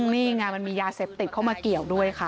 นี่ไงมันมียาเสพติดเข้ามาเกี่ยวด้วยค่ะ